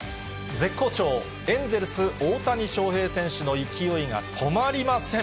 絶好調、エンゼルス、大谷翔平選手の勢いが止まりません。